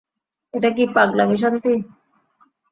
এটা কি পাগলামি শান্তি?